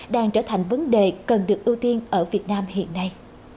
đang trở thành vấn đề cần được ưu tiên ở việt nam hiện nay